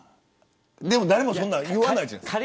でも誰も、そんなん言わないじゃないですか。